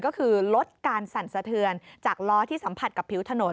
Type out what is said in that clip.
ก็คือลดการสั่นสะเทือนจากล้อที่สัมผัสกับผิวถนน